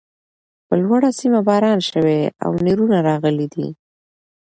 پر لوړۀ سيمه باران شوی او نيزونه راغلي دي